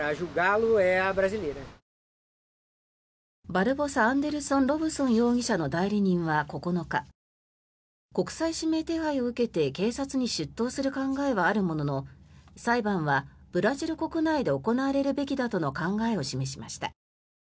バルボサ・アンデルソン・ロブソン容疑者の代理人は９日国際指名手配を受けて警察に出頭する考えはあるものの裁判はブラジル国内で行われるべきだとの考えを示しました。